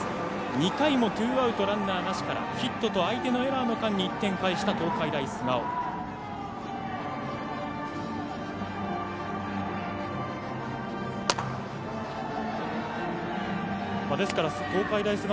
２回もツーアウトランナーなしからヒットと相手のエラーの間に１点を返した東海大菅生。